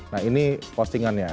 nah ini postingannya